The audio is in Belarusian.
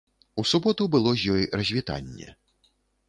У суботу было з ёй развітанне.